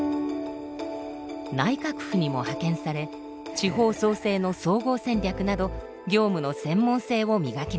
内閣府にも派遣され地方創生の総合戦略など業務の専門性を磨きました。